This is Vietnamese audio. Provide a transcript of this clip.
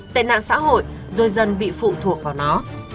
tệ nạn xã hội rồi dân bị phụ thuộc vào nó